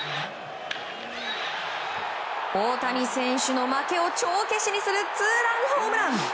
大谷選手の負けを帳消しにするツーランホームラン。